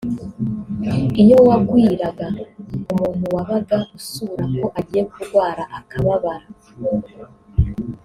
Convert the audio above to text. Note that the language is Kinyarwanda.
iyo wagwiraga umuntu wabaga usura ko agiye kurwara akababara